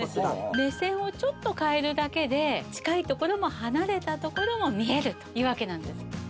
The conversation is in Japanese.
目線をちょっと変えるだけで近いところも離れたところも見えるというわけなんです。